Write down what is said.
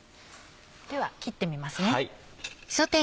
では切ってみますね。